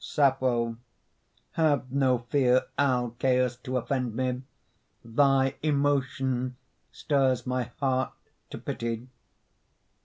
SAPPHO Have no fear, Alcæus, to offend me! Thy emotion stirs my heart to pity.